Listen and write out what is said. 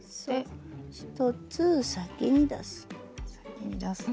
１つ先に出す。